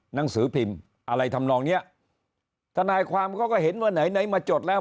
หนังสือพิมพ์อะไรทำนองเนี้ยทนายความเขาก็เห็นว่าไหนไหนมาจดแล้ว